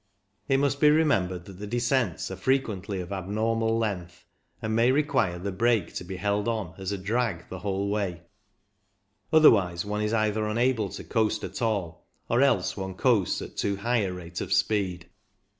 It must be remembered that the descents are frequently of abnormal length, and may require the brake to be held on as a drag the whole way ; otherwise one is either unable to coast at all, or else one coasts at too high a rate of speed.